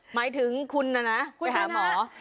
หมายถึงคุณนะนะคุณไปหาหมอ